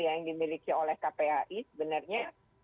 yang dimiliki oleh kpai sebenarnya